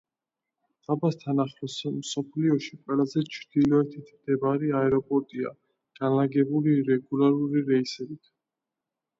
დაბასთან ახლოს მსოფლიოში ყველაზე ჩრდილოეთით მდებარე აეროპორტია განლაგებული რეგულარული რეისებით.